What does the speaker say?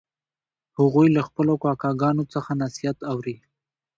هغوی له خپلو کاکاګانو څخه نصیحت اوري